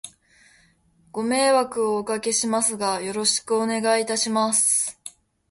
ご迷惑をお掛けしますが、よろしくお願いいたします。